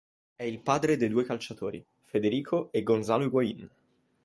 È il padre dei due calciatori, Federico e Gonzalo Higuaín.